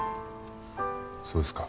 そうですか。